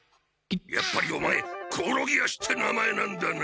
やっぱりオマエ「コオロギ足」って名前なんだな。